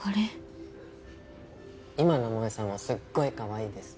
今の萌さんもすっごいかわいいです！